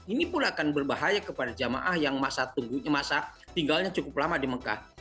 ini pula akan berbahaya kepada jemaah yang tinggalnya cukup lama di mekah